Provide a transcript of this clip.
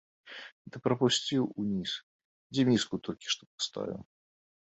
Ды прапусціў уніз, дзе міску толькі што паставіў.